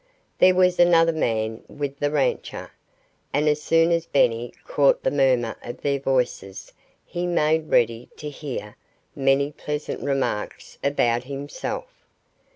There was another man with the rancher. And as soon as Benny caught the murmur of their voices he made ready to hear many pleasant remarks about himself.